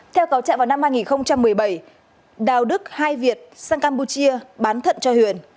theo cáo trạng vào năm hai nghìn một mươi bảy đào đức hai việt sang campuchia bán thận cho huyền